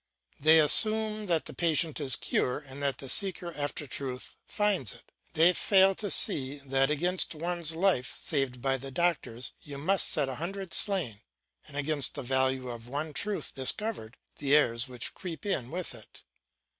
They assume that the patient is cured and that the seeker after truth finds it. They fail to see that against one life saved by the doctors you must set a hundred slain, and against the value of one truth discovered the errors which creep in with it.